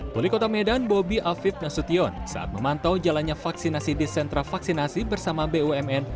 polikota medan bobi afib nasution saat memantau jalannya vaksinasi di sentral vaksinasi bersama bumn